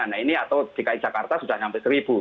nah ini atau dki jakarta sudah sampai seribu